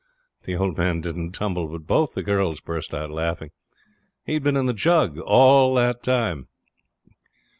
The old man didn't tumble, but both the girls burst out laughing. He'd been in the jug all the time!